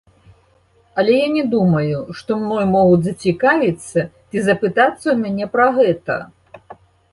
Але я не думаю, што мной могуць зацікавіцца ці запытацца ў мяне пра гэта.